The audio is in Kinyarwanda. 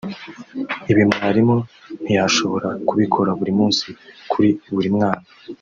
Ibi mwarimu ntiyashobora kubikora buri munsi kuri buri mwana